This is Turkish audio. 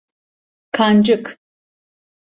Kancık!